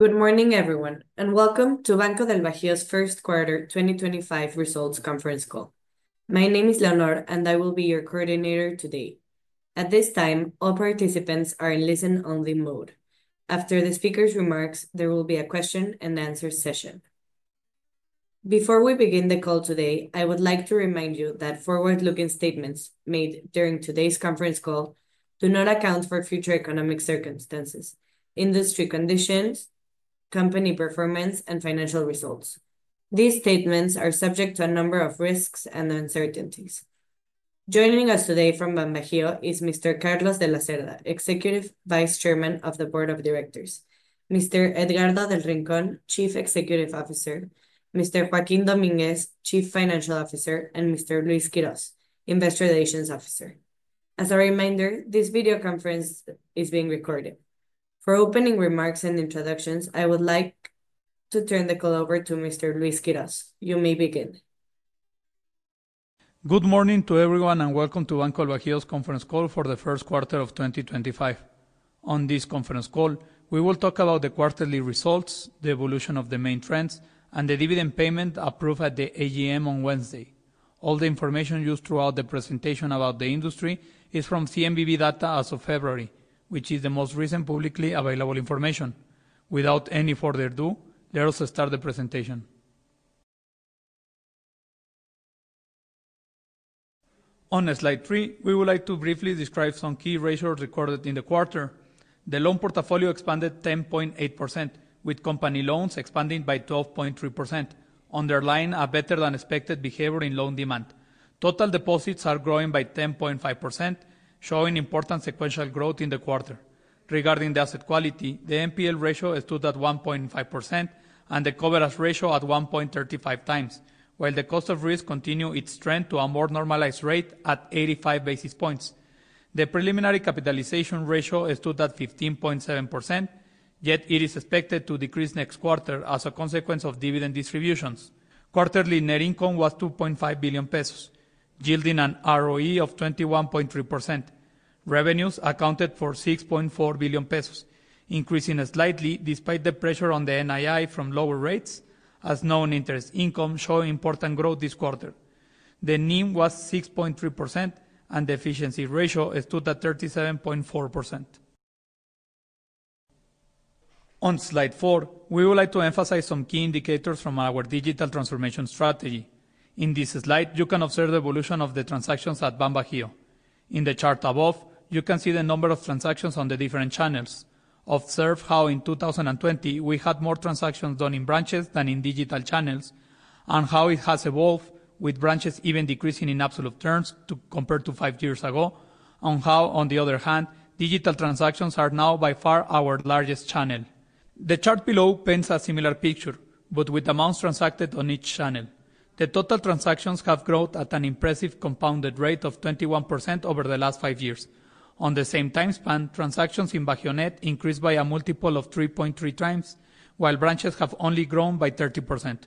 Good morning, everyone, and welcome to Banco del Bajío's First Quarter 2025 Results Conference Call. My name is [Leonor], and I will be your operator today. At this time, all participants are in listen-only mode. After the speaker's remarks, there will be a question-and-answer session. Before we begin the call today, I would like to remind you that forward-looking statements made during today's conference call do not account for future economic circumstances, industry conditions, company performance, and financial results. These statements are subject to a number of risks and uncertainties. Joining us today from Banco del Bajío is Mr. Carlos de la Cerda, Executive Vice Chairman of the Board of Directors; Mr. Edgardo del Rincón, Chief Executive Officer; Mr. Joaquín Domínguez, Chief Financial Officer; and Mr. Luis Quiroz, Investor Relations Officer. As a reminder, this video conference is being recorded. For opening remarks and introductions, I would like to turn the call over to Mr. Luis Quiroz. You may begin. Good morning to everyone, and welcome to Banco del Bajío's Conference Call for the First Quarter of 2025. On this conference call, we will talk about the quarterly results, the evolution of the main trends, and the dividend payment approved at the AGM on Wednesday. All the information used throughout the presentation about the industry is from CNBV data as of February, which is the most recent publicly available information. Without any further ado, let us start the presentation. On slide three, we would like to briefly describe some key ratios recorded in the quarter. The loan portfolio expanded 10.8%, with company loans expanding by 12.3%, underlining a better-than-expected behavior in loan demand. Total deposits are growing by 10.5%, showing important sequential growth in the quarter. Regarding the asset quality, the NPL ratio stood at 1.5%, and the coverage ratio at 1.35x, while the cost of risk continued its trend to a more normalized rate at 85 basis points. The preliminary capitalization ratio stood at 15.7%, yet it is expected to decrease next quarter as a consequence of dividend distributions. Quarterly net income was ₱2.5 billion, yielding an ROE of 21.3%. Revenues accounted for ₱6.4 billion, increasing slightly despite the pressure on the NII from lower rates, as known interest income showed important growth this quarter. The NIM was 6.3%, and the efficiency ratio stood at 37.4%. On slide four, we would like to emphasize some key indicators from our digital transformation strategy. In this slide, you can observe the evolution of the transactions at Banco del Bajío. In the chart above, you can see the number of transactions on the different channels. Observe how in 2020 we had more transactions done in branches than in digital channels, and how it has evolved, with branches even decreasing in absolute terms compared to five years ago, and how, on the other hand, digital transactions are now by far our largest channel. The chart below paints a similar picture, but with amounts transacted on each channel. The total transactions have grown at an impressive compounded rate of 21% over the last five years. On the same time span, transactions in Bajionet increased by a multiple of 3.3x, while branches have only grown by 30%.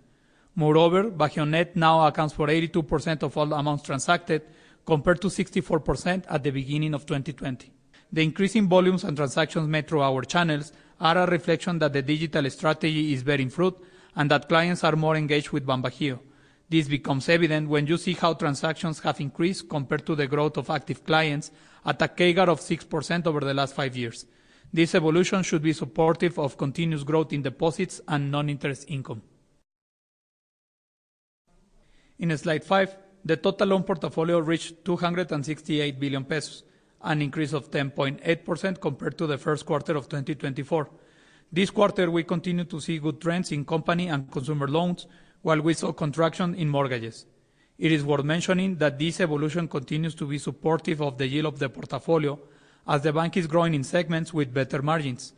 Moreover, Bajionet now accounts for 82% of all amounts transacted, compared to 64% at the beginning of 2020. The increasing volumes and transactions made through our channels are a reflection that the digital strategy is bearing fruit and that clients are more engaged with Banco del Bajío. This becomes evident when you see how transactions have increased compared to the growth of active clients at a CAGR of 6% over the last five years. This evolution should be supportive of continuous growth in deposits and non-interest income. In slide five, the total loan portfolio reached ₱268 billion, an increase of 10.8% compared to the first quarter of 2024. This quarter, we continue to see good trends in company and consumer loans, while we saw contraction in mortgages. It is worth mentioning that this evolution continues to be supportive of the yield of the portfolio, as the bank is growing in segments with better margins.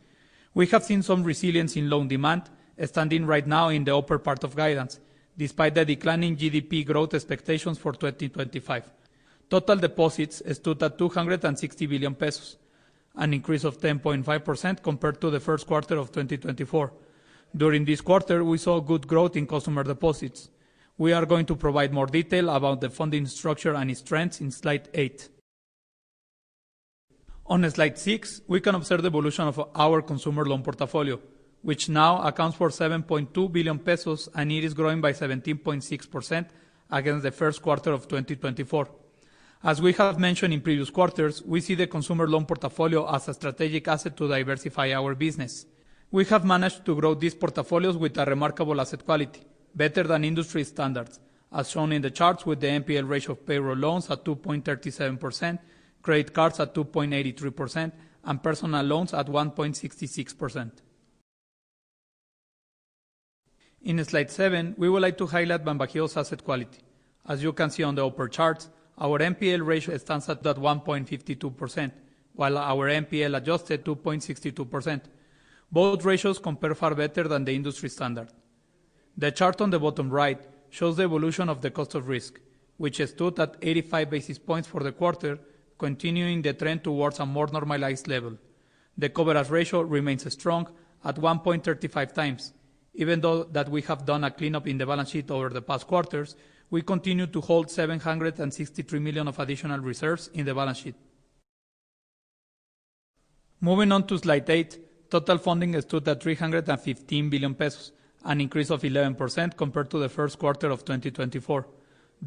We have seen some resilience in loan demand, standing right now in the upper part of guidance, despite the declining GDP growth expectations for 2025. Total deposits stood at ₱260 billion, an increase of 10.5% compared to the first quarter of 2024. During this quarter, we saw good growth in consumer deposits. We are going to provide more detail about the funding structure and its trends in slide eight. On slide six, we can observe the evolution of our consumer loan portfolio, which now accounts for ₱7.2 billion, and it is growing by 17.6% against the first quarter of 2024. As we have mentioned in previous quarters, we see the consumer loan portfolio as a strategic asset to diversify our business. We have managed to grow these portfolios with a remarkable asset quality, better than industry standards, as shown in the charts with the NPL ratio of payroll loans at 2.37%, credit cards at 2.83%, and personal loans at 1.66%. In slide seven, we would like to highlight Banco del Bajío's asset quality. As you can see on the upper charts, our NPL ratio stands at 1.52%, while our NPL adjusted 2.62%. Both ratios compare far better than the industry standard. The chart on the bottom right shows the evolution of the cost of risk, which stood at 85 basis points for the quarter, continuing the trend towards a more normalized level. The coverage ratio remains strong at 1.35x. Even though we have done a clean-up in the balance sheet over the past quarters, we continue to hold of ₱763 million of additional reserves in the balance sheet. Moving on to slide eight, total funding stood at ₱315 billion, an increase of 11% compared to the first quarter of 2024.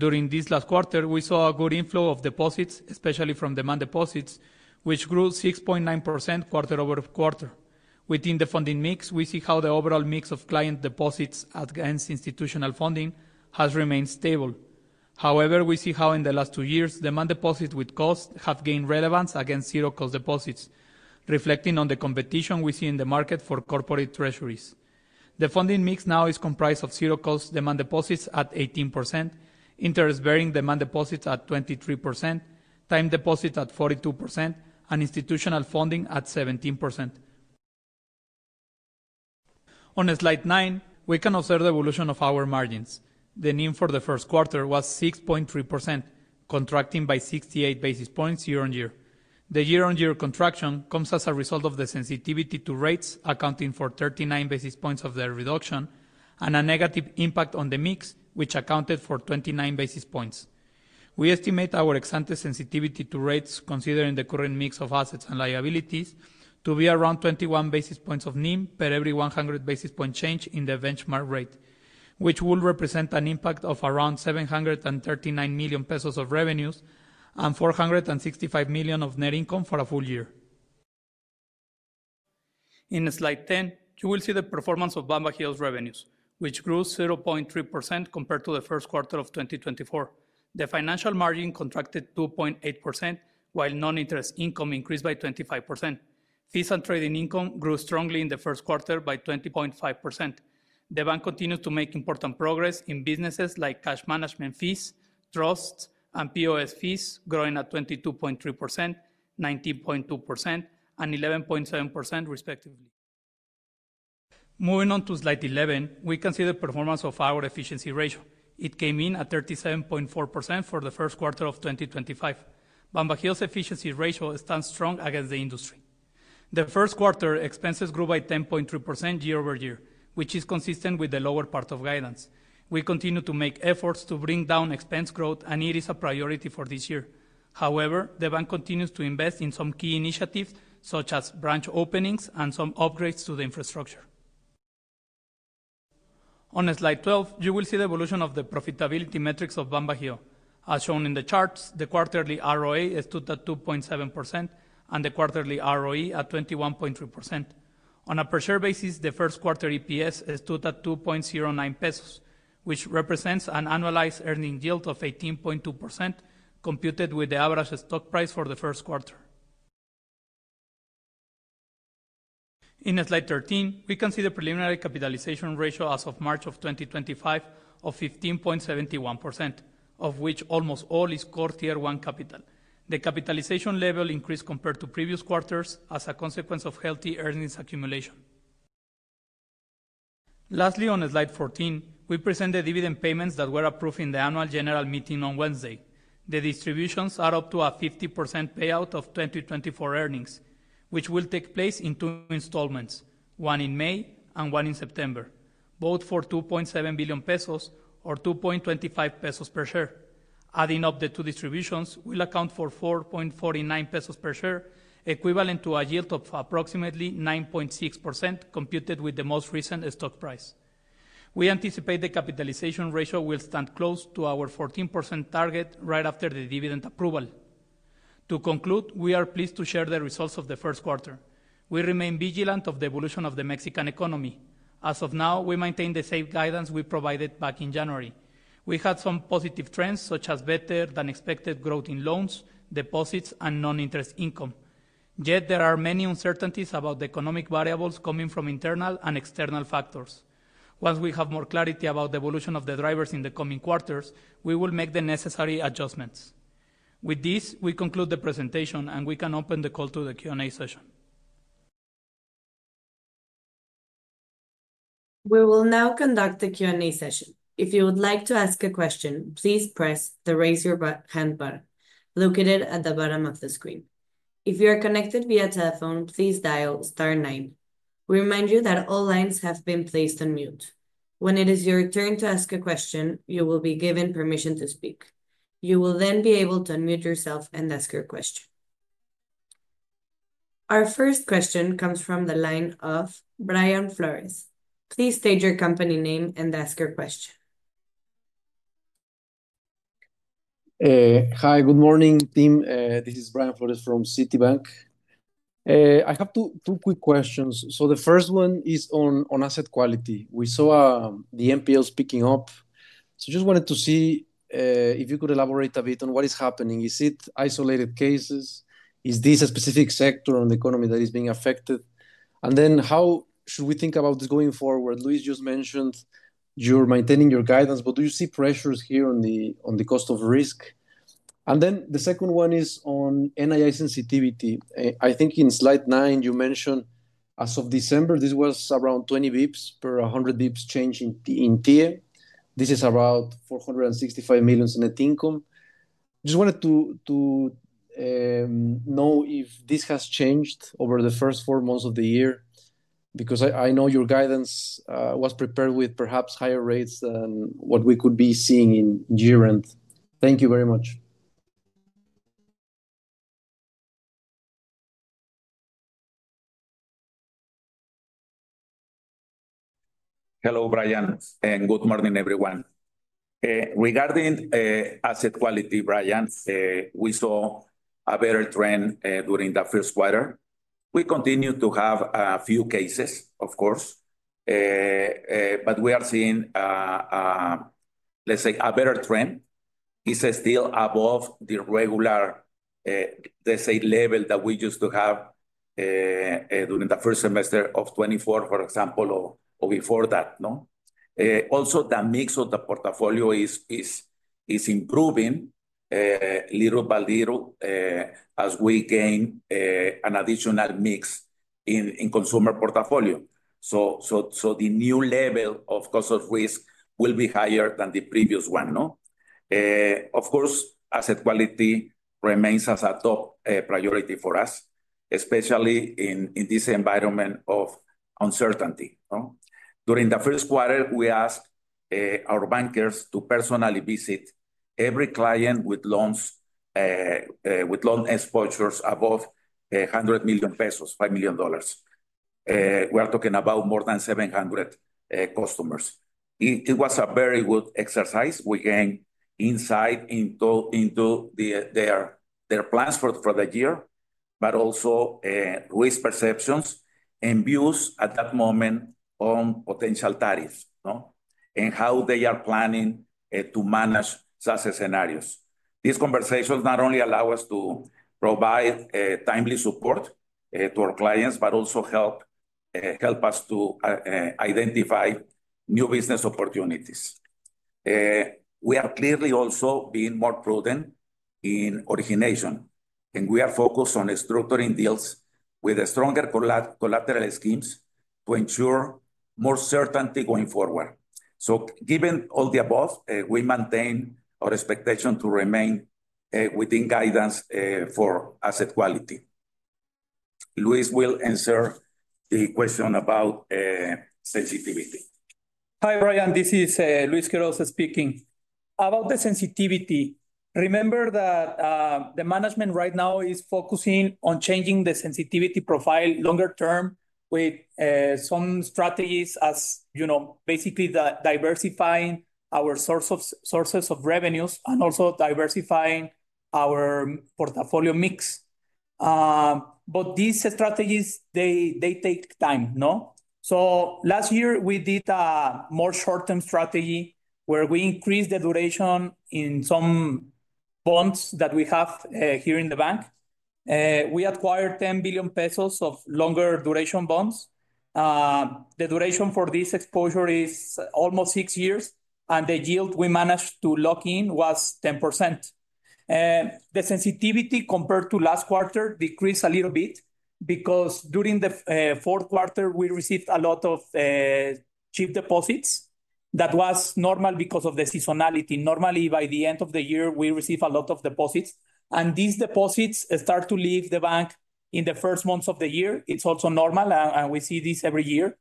During this last quarter, we saw a good inflow of deposits, especially from demand deposits, which grew 6.9% quarter-over-quarter. Within the funding mix, we see how the overall mix of client deposits against institutional funding has remained stable. However, we see how in the last two years, demand deposits with costs have gained relevance against zero-cost deposits, reflecting on the competition we see in the market for corporate treasuries. The funding mix now is comprised of zero-cost demand deposits at 18%, interest-bearing demand deposits at 23%, time deposits at 42%, and institutional funding at 17%. On slide nine, we can observe the evolution of our margins. The NIM for the first quarter was 6.3%, contracting by 68 basis points year-on-year. The year-on-year contraction comes as a result of the sensitivity to rates, accounting for 39 basis points of the reduction, and a negative impact on the mix, which accounted for 29 basis points. We estimate our ex-ante sensitivity to rates, considering the current mix of assets and liabilities, to be around 21 basis points of NIM per every 100 basis point change in the benchmark rate, which would represent an impact of around ₱739 million of revenues and ₱465 million of net income for a full year. In slide 10, you will see the performance of Banco del Bajío's revenues, which grew 0.3% compared to the first quarter of 2024. The financial margin contracted 2.8%, while non-interest income increased by 25%. Fees and trading income grew strongly in the first quarter by 20.5%. The bank continues to make important progress in businesses like cash management fees, trusts, and POS fees, growing at 22.3%, 19.2%, and 11.7%, respectively. Moving on to slide 11, we can see the performance of our efficiency ratio. It came in at 37.4% for the first quarter of 2025. Banco del Bajío's efficiency ratio stands strong against the industry. The first quarter expenses grew by 10.3% year-over-year, which is consistent with the lower part of guidance. We continue to make efforts to bring down expense growth, and it is a priority for this year. However, the bank continues to invest in some key initiatives, such as branch openings and some upgrades to the infrastructure. On slide 12, you will see the evolution of the profitability metrics of Banco del Bajío. As shown in the charts, the quarterly ROE stood at 2.7% and the quarterly ROE at 21.3%. On a per-share basis, the first quarter EPS stood at ₱2.09, which represents an annualized earnings yield of 18.2%, computed with the average stock price for the first quarter. In slide 13, we can see the preliminary capitalization ratio as of March of 2025 of 15.71%, of which almost all is Core Tier 1 Capital. The capitalization level increased compared to previous quarters as a consequence of healthy earnings accumulation. Lastly, on slide 14, we present the dividend payments that were approved in the Annual General Meeting on Wednesday. The distributions add up to a 50% payout of 2024 earnings, which will take place in two installments, one in May and one in September, both for ₱2.7 billion or ₱2.25 per share. Adding up the two distributions will account for ₱4.49 per share, equivalent to a yield of approximately 9.6% computed with the most recent stock price. We anticipate the capitalization ratio will stand close to our 14% target right after the dividend approval. To conclude, we are pleased to share the results of the first quarter. We remain vigilant of the evolution of the Mexican economy. As of now, we maintain the same guidance we provided back in January. We had some positive trends, such as better-than-expected growth in loans, deposits, and non-interest income. Yet, there are many uncertainties about the economic variables coming from internal and external factors. Once we have more clarity about the evolution of the drivers in the coming quarters, we will make the necessary adjustments. With this, we conclude the presentation, and we can open the call to the Q&A session. We will now conduct the Q&A session. If you would like to ask a question, please press the Raise Your Hand button located at the bottom of the screen. If you are connected via telephone, please dial Star nine. We remind you that all lines have been placed on mute. When it is your turn to ask a question, you will be given permission to speak. You will then be able to unmute yourself and ask your question. Our first question comes from the line of Brian Flores. Please state your company name and ask your question. Hi, good morning, team. This is Brian Flores from Citibank. I have two quick questions. The first one is on asset quality. We saw the NPL picking up. I just wanted to see if you could elaborate a bit on what is happening. Is it isolated cases? Is this a specific sector in the economy that is being affected? How should we think about this going forward? Luis just mentioned you're maintaining your guidance, but do you see pressures here on the cost of risk? The second one is on NII sensitivity. I think in slide nine, you mentioned as of December, this was around 20 basis points per 100 basis points change in TIIE. This is around 465 million net income. Just wanted to know if this has changed over the first four months of the year, because I know your guidance was prepared with perhaps higher rates than what we could be seeing in year-end. Thank you very much. Hello, Brian, and good morning, everyone. Regarding asset quality, Brian, we saw a better trend during the first quarter. We continue to have a few cases, of course, but we are seeing, let's say, a better trend. It is still above the regular, let's say, level that we used to have during the first semester of 2024, for example, or before that. Also, the mix of the portfolio is improving little by little as we gain an additional mix in consumer portfolio. The new level of cost of risk will be higher than the previous one. Of course, asset quality remains as a top priority for us, especially in this environment of uncertainty. During the first quarter, we asked our bankers to personally visit every client with loan exposures above ₱100 million, $5 million. We are talking about more than 700 customers. It was a very good exercise. We gained insight into their plans for the year, but also risk perceptions and views at that moment on potential tariffs and how they are planning to manage such scenarios. These conversations not only allow us to provide timely support to our clients, but also help us to identify new business opportunities. We are clearly also being more prudent in origination, and we are focused on structuring deals with stronger collateral schemes to ensure more certainty going forward. Given all the above, we maintain our expectation to remain within guidance for asset quality. Luis will answer the question about sensitivity. Hi, Brian. This is Luis Quiroz speaking. About the sensitivity, remember that the management right now is focusing on changing the sensitivity profile longer term with some strategies, as basically diversifying our sources of revenues and also diversifying our portfolio mix. These strategies, they take time. Last year, we did a more short-term strategy where we increased the duration in some bonds that we have here in the bank. We acquired ₱10 billion of longer duration bonds. The duration for this exposure is almost six years, and the yield we managed to lock in was 10%. The sensitivity compared to last quarter decreased a little bit because during the fourth quarter, we received a lot of cheap deposits. That was normal because of the seasonality. Normally, by the end of the year, we receive a lot of deposits, and these deposits start to leave the bank in the first months of the year. It's also normal, and we see this every year.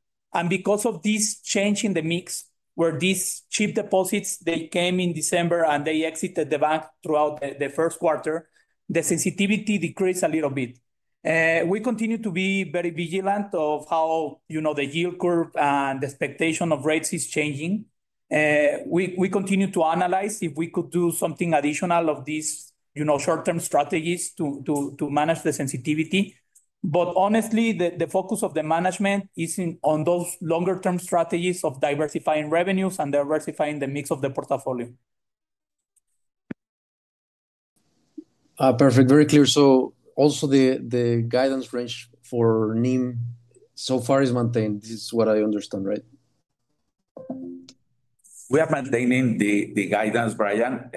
Because of this change in the mix, where these cheap deposits, they came in December and they exited the bank throughout the first quarter, the sensitivity decreased a little bit. We continue to be very vigilant of how the yield curve and the expectation of rates is changing. We continue to analyze if we could do something additional of these short-term strategies to manage the sensitivity. Honestly, the focus of the management is on those longer-term strategies of diversifying revenues and diversifying the mix of the portfolio. Perfect. Very clear. The guidance range for NIM so far is maintained. This is what I understand, right? We are maintaining the guidance, Brian,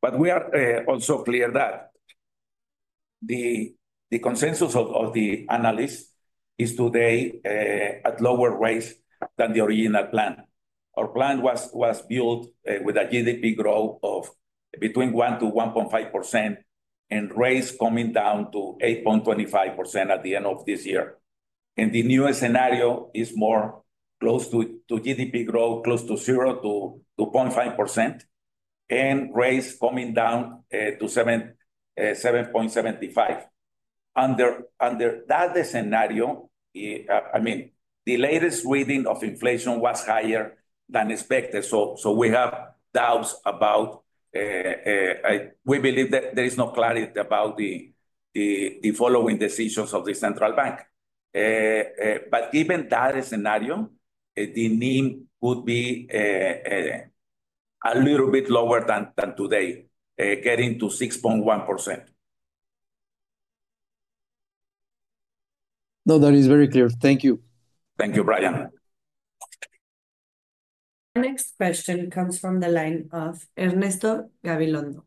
but we are also clear that the consensus of the analysts is today at lower rates than the original plan. Our plan was built with a GDP growth of between 1% and 1.5% and rates coming down to 8.25% at the end of this year. The newest scenario is more close to GDP growth, close to 0%-2.5%, and rates coming down to 7.75%. Under that scenario, I mean, the latest reading of inflation was higher than expected. We have doubts about, we believe that there is no clarity about the following decisions of the central bank. Given that scenario, the NIM could be a little bit lower than today, getting to 6.1%. No, that is very clear. Thank you. Thank you, Brian. Our next question comes from the line of Ernesto Gabilondo.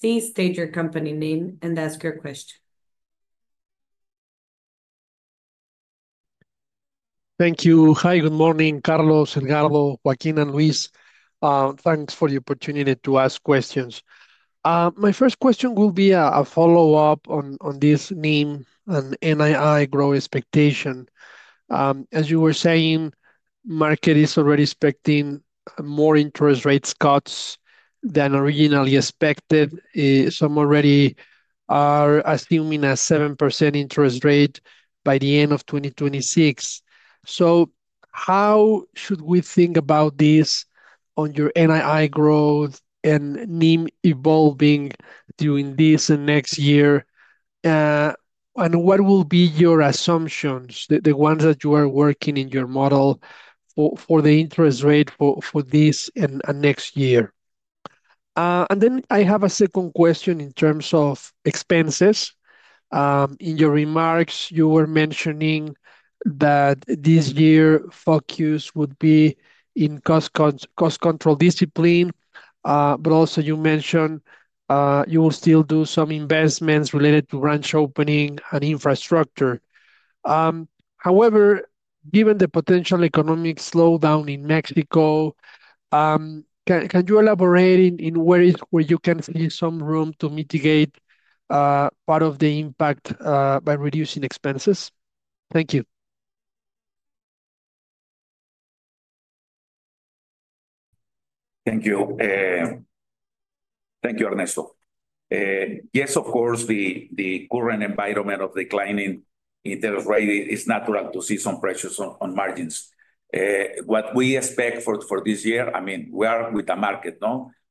Please state your company name and ask your question. Thank you. Hi, good morning, Carlos, Edgardo, Joaquin, and Luis. Thanks for the opportunity to ask questions. My first question will be a follow-up on this NIM and NII growth expectation. As you were saying, the market is already expecting more interest rate cuts than originally expected. Some already are assuming a 7% interest rate by the end of 2026. How should we think about this on your NII growth and NIM evolving during this and next year? What will be your assumptions, the ones that you are working in your model for the interest rate for this and next year? I have a second question in terms of expenses. In your remarks, you were mentioning that this year's focus would be in cost control discipline, but also you mentioned you will still do some investments related to branch opening and infrastructure. However, given the potential economic slowdown in Mexico, can you elaborate on where you can see some room to mitigate part of the impact by reducing expenses? Thank you. Thank you. Thank you, Ernesto. Yes, of course, the current environment of declining interest rate is natural to see some pressures on margins. What we expect for this year, I mean, we are with the market,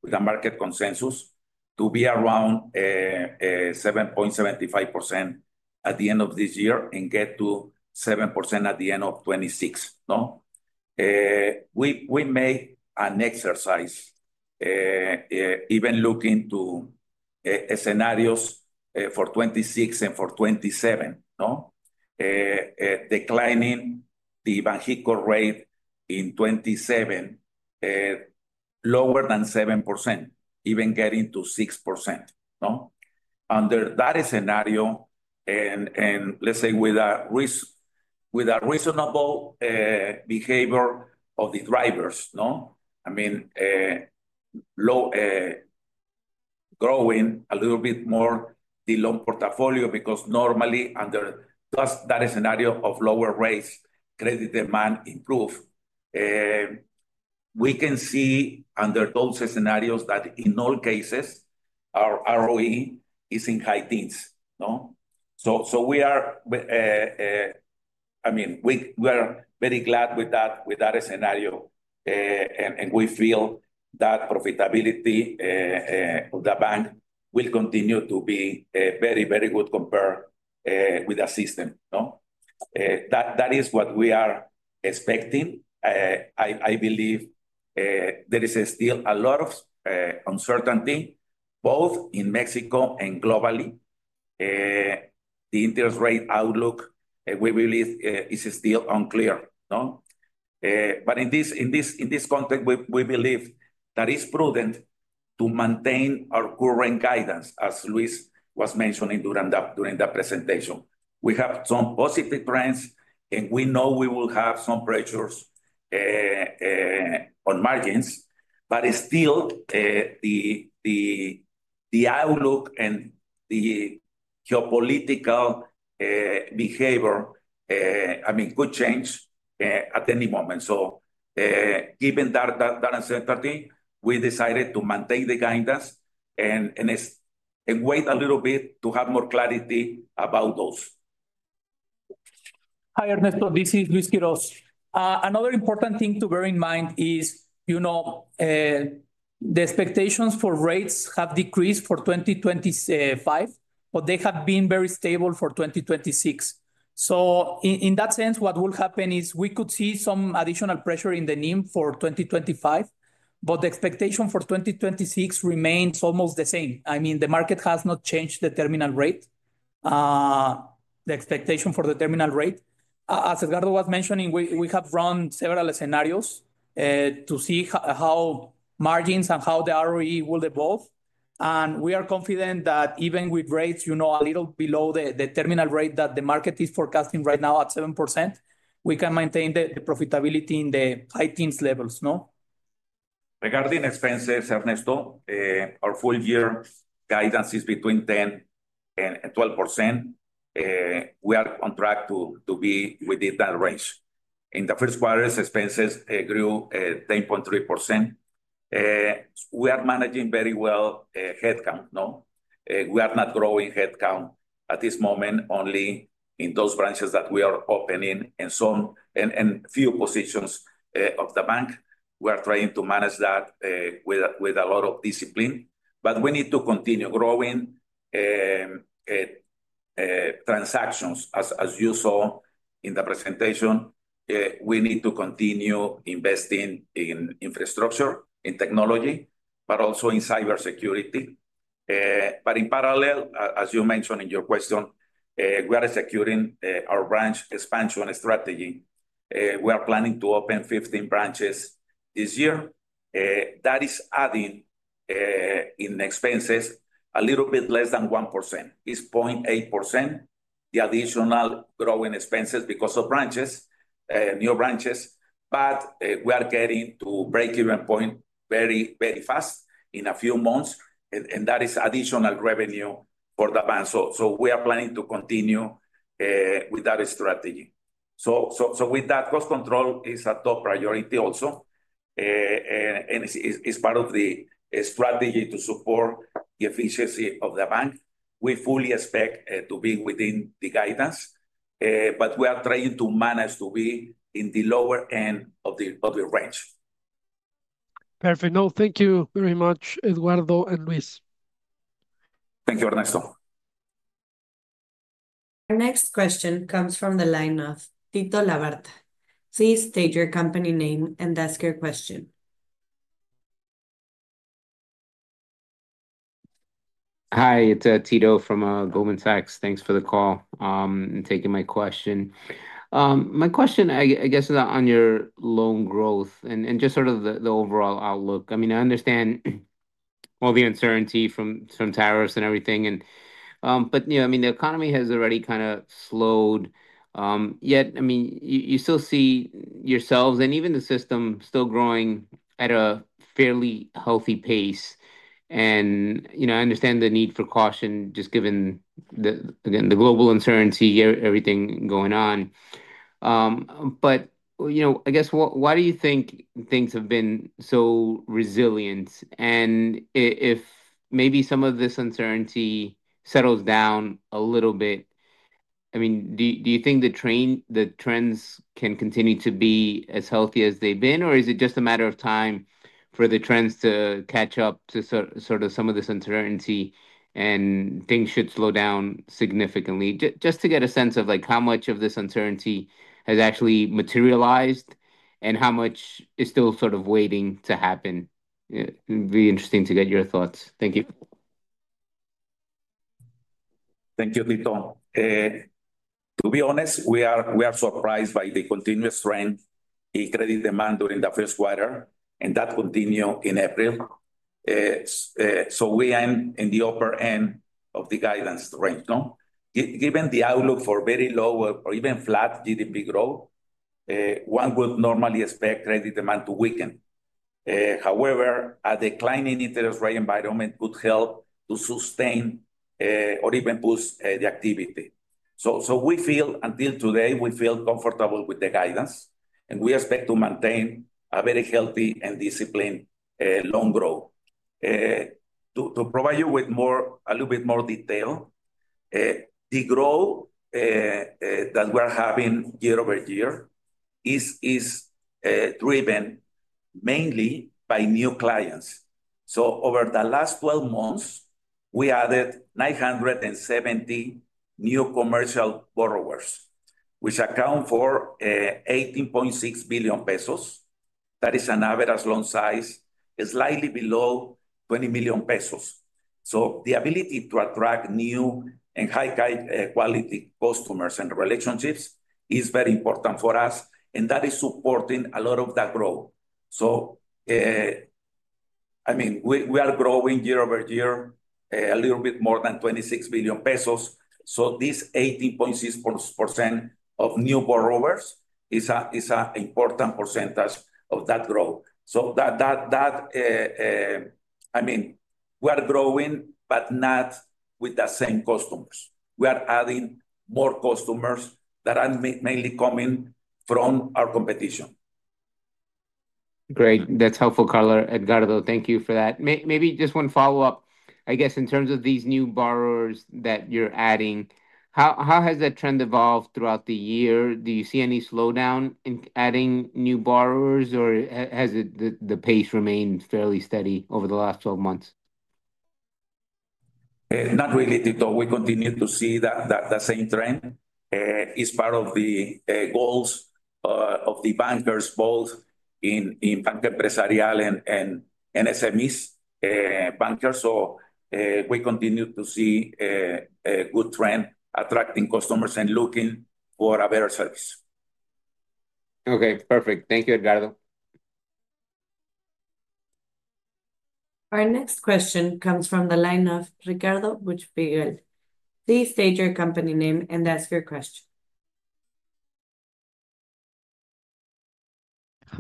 with the market consensus, to be around 7.75% at the end of this year and get to 7% at the end of 2026. We made an exercise even looking to scenarios for 2026 and for 2027, declining the Banxico rate in 2027 lower than 7%, even getting to 6%. Under that scenario, and let's say with a reasonable behavior of the drivers, I mean, growing a little bit more the loan portfolio, because normally under that scenario of lower rates, credit demand improves. We can see under those scenarios that in all cases, our ROE is in high teens. We are, I mean, we are very glad with that scenario, and we feel that profitability of the bank will continue to be very, very good compared with the system. That is what we are expecting. I believe there is still a lot of uncertainty, both in Mexico and globally. The interest rate outlook, we believe, is still unclear. In this context, we believe that it's prudent to maintain our current guidance, as Luis was mentioning during the presentation. We have some positive trends, and we know we will have some pressures on margins, but still the outlook and the geopolitical behavior, I mean, could change at any moment. Given that uncertainty, we decided to maintain the guidance and wait a little bit to have more clarity about those. Hi, Ernesto. This is Luis Quiroz. Another important thing to bear in mind is the expectations for rates have decreased for 2025, but they have been very stable for 2026. In that sense, what will happen is we could see some additional pressure in the NIM for 2025, but the expectation for 2026 remains almost the same. I mean, the market has not changed the terminal rate, the expectation for the terminal rate. As Edgardo was mentioning, we have run several scenarios to see how margins and how the ROE will evolve. We are confident that even with rates a little below the terminal rate that the market is forecasting right now at 7%, we can maintain the profitability in the high teens levels. Regarding expenses, Ernesto, our full-year guidance is between 10% and 12%. We are on track to be within that range. In the first quarter, expenses grew 10.3%. We are managing very well headcount. We are not growing headcount at this moment, only in those branches that we are opening and some few positions of the bank. We are trying to manage that with a lot of discipline, but we need to continue growing transactions. As you saw in the presentation, we need to continue investing in infrastructure, in technology, but also in cybersecurity. In parallel, as you mentioned in your question, we are executing our branch expansion strategy. We are planning to open 15 branches this year. That is adding in expenses a little bit less than 1%. It's 0.8%, the additional growing expenses because of new branches, but we are getting to break-even point very, very fast in a few months, and that is additional revenue for the bank. We are planning to continue with that strategy. With that, cost control is a top priority also, and it's part of the strategy to support the efficiency of the bank. We fully expect to be within the guidance, but we are trying to manage to be in the lower end of the range. Perfect. No, thank you very much, Edgardo and Luis. Thank you, Ernesto. Our next question comes from the line of Tito Labarta. Please state your company name and ask your question. Hi, it's Tito from Goldman Sachs. Thanks for the call and taking my question. My question, I guess, is on your loan growth and just sort of the overall outlook. I mean, I understand all the uncertainty from tariffs and everything, but I mean, the economy has already kind of slowed. Yet, I mean, you still see yourselves and even the system still growing at a fairly healthy pace. I understand the need for caution just given, again, the global uncertainty, everything going on. I guess, why do you think things have been so resilient? If maybe some of this uncertainty settles down a little bit, I mean, do you think the trends can continue to be as healthy as they've been, or is it just a matter of time for the trends to catch up to sort of some of this uncertainty and things should slow down significantly? Just to get a sense of how much of this uncertainty has actually materialized and how much is still sort of waiting to happen. It'd be interesting to get your thoughts. Thank you. Thank you, Tito. To be honest, we are surprised by the continuous trend in credit demand during the first quarter, and that continued in April. We are in the upper end of the guidance range. Given the outlook for very low or even flat GDP growth, one would normally expect credit demand to weaken. However, a declining interest rate environment could help to sustain or even boost the activity. We feel until today, we feel comfortable with the guidance, and we expect to maintain a very healthy and disciplined loan growth. To provide you with a little bit more detail, the growth that we are having year-over-year is driven mainly by new clients. Over the last 12 months, we added 970 new commercial borrowers, which account for ₱18.6 billion. That is an average loan size slightly below ₱20 million. The ability to attract new and high-quality customers and relationships is very important for us, and that is supporting a lot of that growth. I mean, we are growing year-over-year a little bit more than ₱26 million. This 18.6% of new borrowers is an important percentage of that growth. I mean, we are growing, but not with the same customers. We are adding more customers that are mainly coming from our competition. Great. That's helpful, Carlos. Edgardo, thank you for that. Maybe just one follow-up. I guess in terms of these new borrowers that you're adding, how has that trend evolved throughout the year? Do you see any slowdown in adding new borrowers, or has the pace remained fairly steady over the last 12 months? Not really, Tito. We continue to see the same trend. It is part of the goals of the bankers, both in Banca Empresarial and SMEs bankers. We continue to see a good trend attracting customers and looking for a better service. Okay. Perfect. Thank you, Edgardo. Our next question comes from the line of Ricardo Buchpiguel. Please state your company name and ask your question.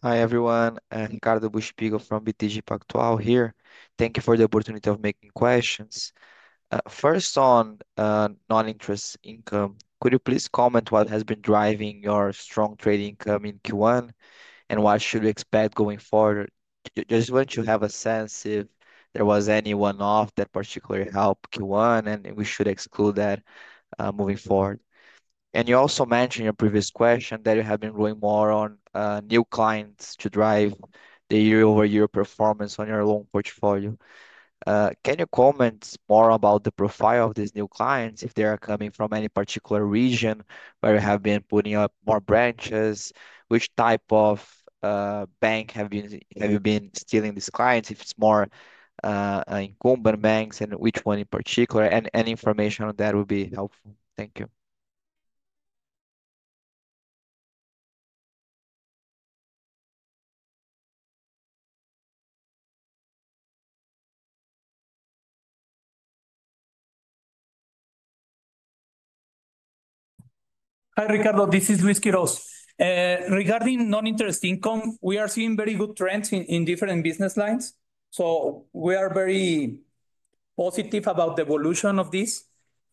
Hi everyone. I'm Ricardo Buchpiguel from BTG Pactual here. Thank you for the opportunity of making questions. First on non-interest income, could you please comment on what has been driving your strong trade income in Q1, and what should we expect going forward? I just want to have a sense if there was any one-off that particularly helped Q1, and we should exclude that moving forward. You also mentioned in your previous question that you have been growing more on new clients to drive the year-over-year performance on your loan portfolio. Can you comment more about the profile of these new clients? If they are coming from any particular region where you have been putting up more branches, which type of bank have you been stealing these clients? If it's more incumbent banks, and which one in particular? Any information on that would be helpful. Thank you. Hi, Ricardo. This is Luis Quiroz. Regarding non-interest income, we are seeing very good trends in different business lines. We are very positive about the evolution of this.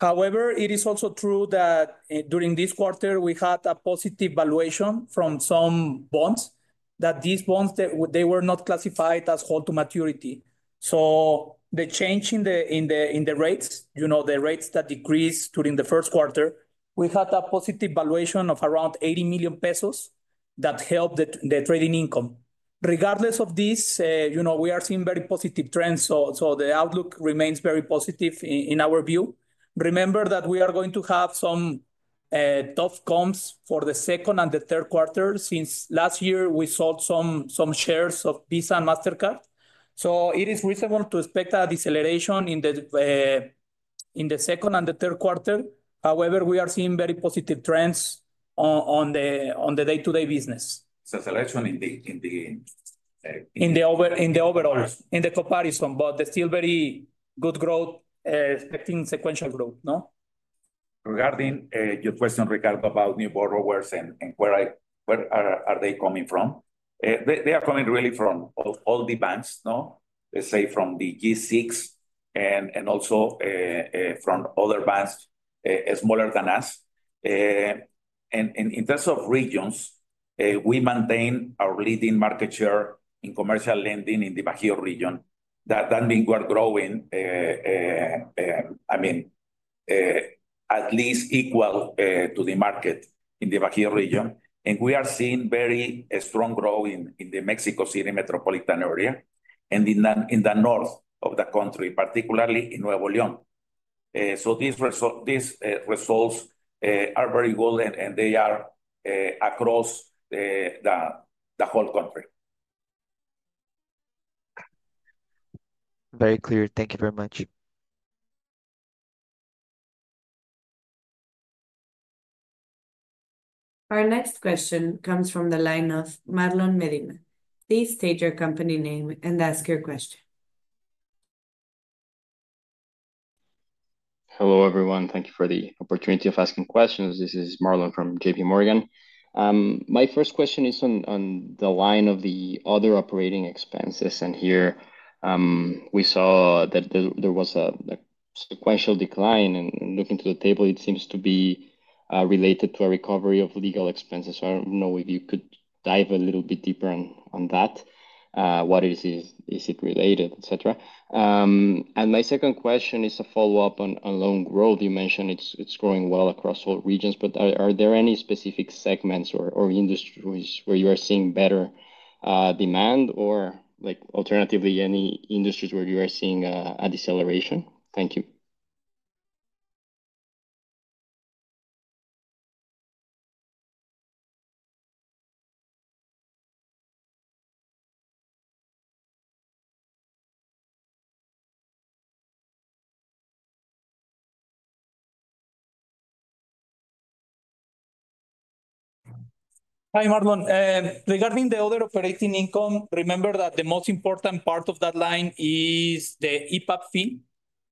However, it is also true that during this quarter, we had a positive valuation from some bonds that these bonds, they were not classified as hold to maturity. The change in the rates, the rates that decreased during the first quarter, we had a positive valuation of around ₱80 million that helped the trading income. Regardless of this, we are seeing very positive trends. The outlook remains very positive in our view. Remember that we are going to have some tough comps for the second and the third quarter. Since last year, we sold some shares of Visa and Mastercard. It is reasonable to expect a deceleration in the second and the third quarter. However, we are seeing very positive trends on the day-to-day business. It's a deceleration In the overall, in the comparison, but still very good growth, expecting sequential growth. Regarding your question, Ricardo, about new borrowers and where are they coming from, they are coming really from all the banks, let's say from the G6 and also from other banks smaller than us. In terms of regions, we maintain our leading market share in commercial lending in the Bajío region. That means we are growing, I mean, at least equal to the market in the Bajío region. We are seeing very strong growth in the Mexico City metropolitan area and in the north of the country, particularly in Nuevo León. These results are very good, and they are across the whole country. Very clear. Thank you very much. Our next question comes from the line of Marlon Medina. Please state your company name and ask your question. Hello, everyone. Thank you for the opportunity of asking questions. This is Marlon from JPMorgan. My first question is on the line of the other operating expenses. Here we saw that there was a sequential decline. Looking to the table, it seems to be related to a recovery of legal expenses. I do not know if you could dive a little bit deeper on that, what is it related, etc. My second question is a follow-up on loan growth. You mentioned it is growing well across all regions, but are there any specific segments or industries where you are seeing better demand or alternatively any industries where you are seeing a deceleration? Thank you. Hi, Marlon. Regarding the other operating income, remember that the most important part of that line is the IPAB fee.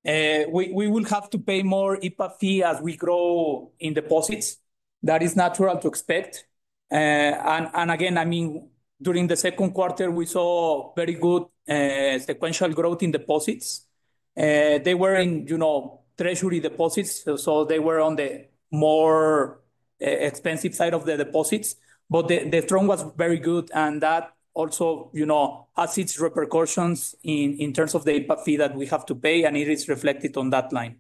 We will have to pay more IPAB fee as we grow in deposits. That is natural to expect. I mean, during the second quarter, we saw very good sequential growth in deposits. They were in treasury deposits, so they were on the more expensive side of the deposits, but the trend was very good. That also has its repercussions in terms of the IPAB fee that we have to pay, and it is reflected on that line.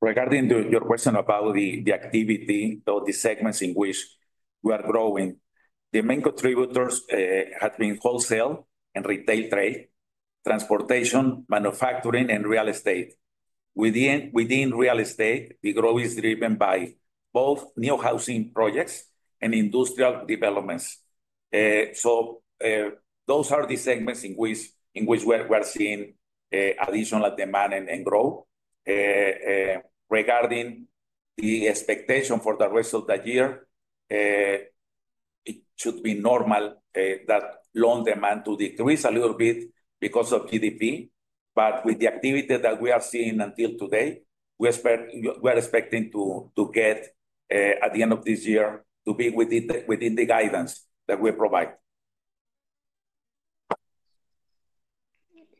Regarding your question about the activity or the segments in which we are growing, the main contributors have been wholesale and retail trade, transportation, manufacturing, and real estate. Within real estate, the growth is driven by both new housing projects and industrial developments. Those are the segments in which we are seeing additional demand and growth. Regarding the expectation for the rest of the year, it should be normal that loan demand decreases a little bit because of GDP. With the activity that we are seeing until today, we are expecting to get at the end of this year to be within the guidance that we provide.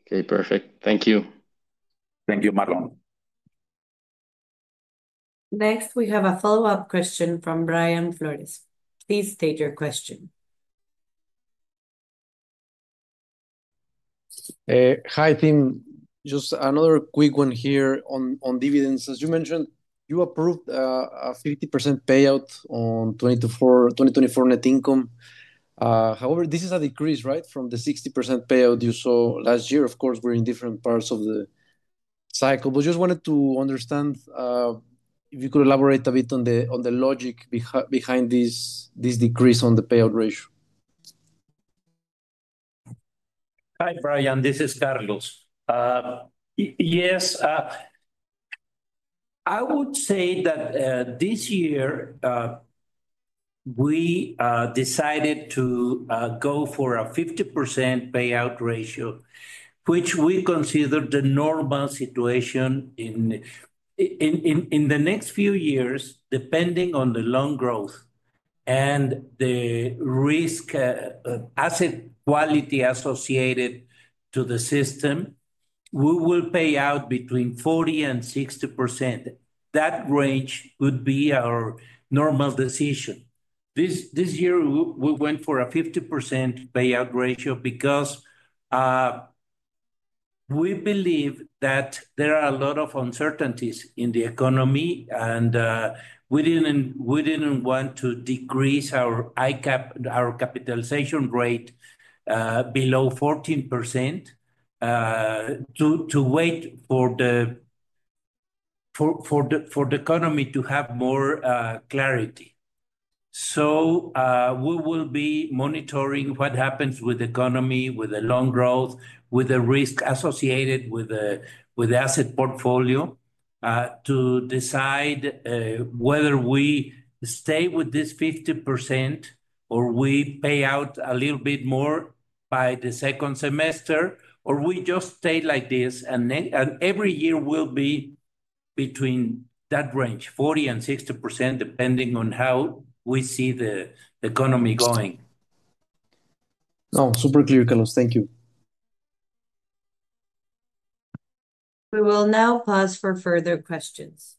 Okay. Perfect. Thank you. Thank you, Marlon. Next, we have a follow-up question from Brian Flores. Please state your question. Hi, team. Just another quick one here on dividends. As you mentioned, you approved a 50% payout on 2024 net income. However, this is a decrease, right, from the 60% payout you saw last year. Of course, we're in different parts of the cycle. I just wanted to understand if you could elaborate a bit on the logic behind this decrease on the payout ratio. Hi, Brian. This is Carlos. Yes. I would say that this year, we decided to go for a 50% payout ratio, which we consider the normal situation in the next few years, depending on the loan growth and the risk asset quality associated to the system. We will pay out between 40% and 60%. That range would be our normal decision. This year, we went for a 50% payout ratio because we believe that there are a lot of uncertainties in the economy, and we did not want to decrease our capitalization rate below 14% to wait for the economy to have more clarity. We will be monitoring what happens with the economy, with the loan growth, with the risk associated with the asset portfolio to decide whether we stay with this 50% or we pay out a little bit more by the second semester, or we just stay like this. Every year will be between that range, 40%-60%, depending on how we see the economy going. Oh. Super clear, Carlos. Thank you. We will now pause for further questions.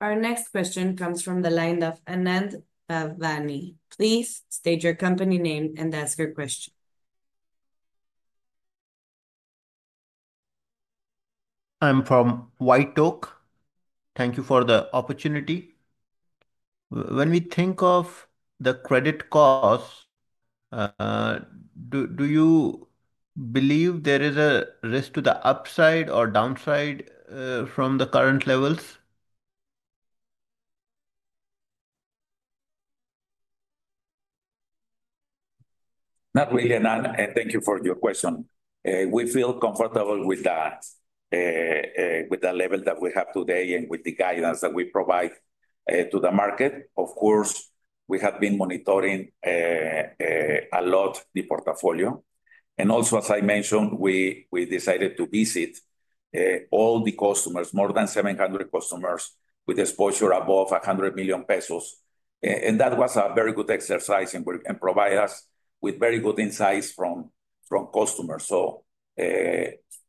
Our next question comes from the line of Anand Bhavnani. Please state your company name and ask your question. I'm from White Oak. Thank you for the opportunity. When we think of the credit costs, do you believe there is a risk to the upside or downside from the current levels? Not really, Anand. Thank you for your question. We feel comfortable with the level that we have today and with the guidance that we provide to the market. Of course, we have been monitoring a lot the portfolio. Also, as I mentioned, we decided to visit all the customers, more than 700 customers with exposure above ₱100 million. That was a very good exercise and provided us with very good insights from customers.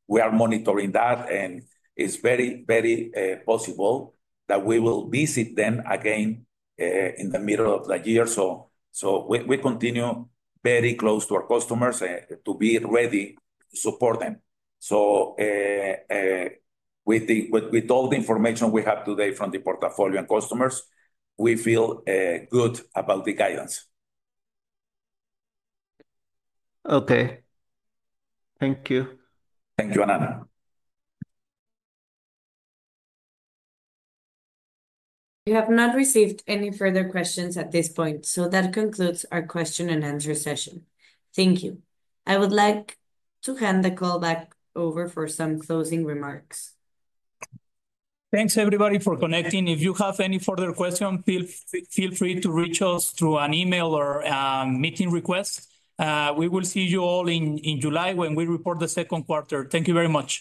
We are monitoring that, and it is very, very possible that we will visit them again in the middle of the year. We continue very close to our customers to be ready to support them. With all the information we have today from the portfolio and customers, we feel good about the guidance. Okay. Thank you. Thank you, Anand. We have not received any further questions at this point. That concludes our question and answer session. Thank you. I would like to hand the call back over for some closing remarks. Thanks, everybody, for connecting. If you have any further questions, feel free to reach us through an email or a meeting request. We will see you all in July when we report the second quarter. Thank you very much.